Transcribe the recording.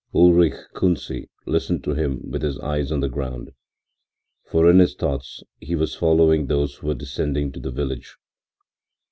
Ulrich Kunsi listened to him with his eyes on the ground, for in his thoughts he was following those who were descending to the village.